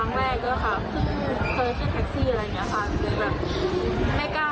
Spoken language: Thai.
เพิ่งเข้าเทคซี่อะไรอย่างเงี้ยค่ะคือแบบไม่กล้าที่จะสู้หรือแบบ